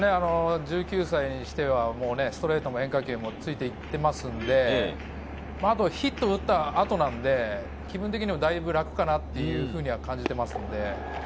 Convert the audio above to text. １９歳にしてはストレートも変化球もついていってますので、あと、ヒット打った後なんで、気分的にだいぶ楽かなっていうふうには感じていますね。